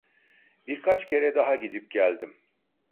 Birkaç kere daha gidip geldim.